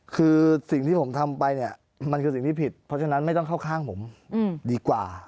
คือสิ่งที่ผมทำไปเนี่ยมันคือสิ่งที่ผิดเพราะฉะนั้นไม่ต้องเข้าข้างผมดีกว่า